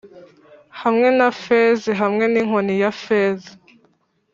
hamwe na fez hamwe ninkoni ya feza.